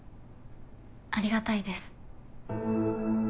ありがたいです。